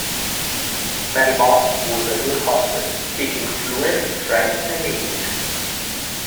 Mary Moss was a good hostess, speaking fluent French and English.